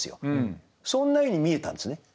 そんなように見えたんですね。